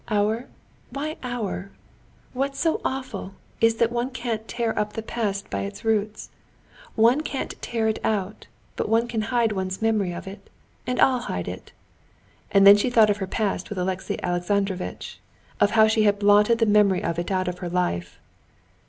"Our? Why our? What's so awful is that one can't tear up the past by its roots. One can't tear it out, but one can hide one's memory of it. And I'll hide it." And then she thought of her past with Alexey Alexandrovitch, of how she had blotted the memory of it out of her life.